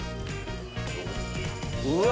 うわ！